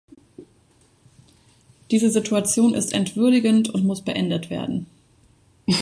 Diese Situation ist entwürdigend und muss beendet werden.